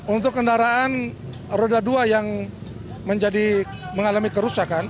untuk kendaraan roda dua yang menjadi mengalami kerusakan